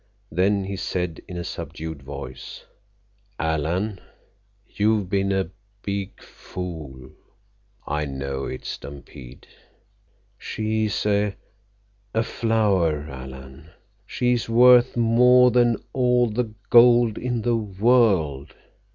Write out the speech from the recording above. Then he said in a subdued voice, "Alan, you've been a big fool." "I know it, Stampede." "She's a—a flower, Alan. She's worth more than all the gold in the world.